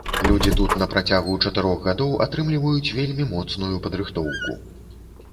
Людзі тут на працягу чатырох гадоў атрымліваюць вельмі моцную падрыхтоўку.